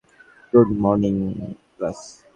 Good morning class.